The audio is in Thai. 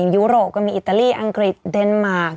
ยุโรปก็มีอิตาลีอังกฤษเดนมาร์ก